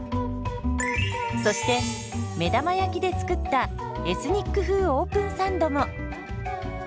そして目玉焼きで作ったエスニック風オープンサンドも。